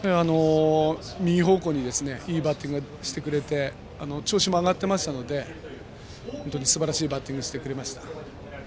右方向にいいバッティングをしてくれて調子も上がってましたので本当にすばらしいバッティングをしてくれました。